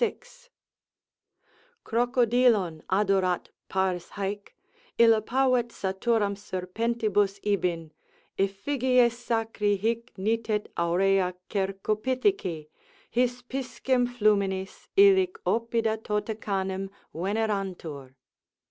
] "Crocodilon adorat Pars haec; illa pavet saturam serpentibus ibin: Effigies sacri hic nitet aurea cercopitheci; Hic piscem flumints, illic Oppida tota canem venerantur."